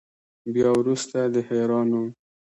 بیا وروسته د حرا نوم.